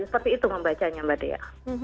seperti itu membacanya mbak dea